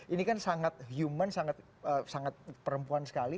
ini kan sangat human sangat perempuan sekali